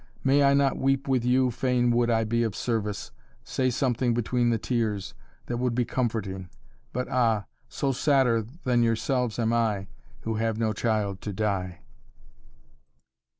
May I not weep with you Fain would I be of service, say something Between the tears, that would be comforting. But ah! So sadder than yourselves am I Who have no child to die."